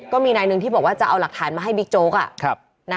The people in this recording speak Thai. ก็มีนายหนึ่งที่บอกว่าจะเอาหลักฐานมาให้บิ๊กโจ๊ก